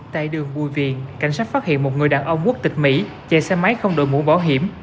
tại đường bùi viện cảnh sát phát hiện một người đàn ông quốc tịch mỹ chạy xe máy không đội mũ bảo hiểm